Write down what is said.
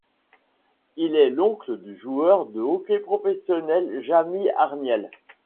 Il est l'oncle du joueur de hockey professionnel, Jamie Arniel.